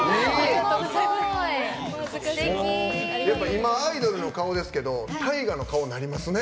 今、アイドルの顔ですけど大河の顔になりますね。